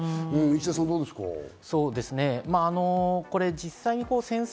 石田さん、どうですか？